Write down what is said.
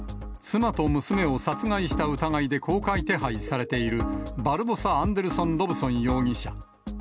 妻と娘を殺害した疑いで公開手配されている、バルボサ・アンデルソン・ロブソン容疑者。